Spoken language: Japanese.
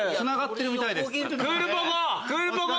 クールポコ。！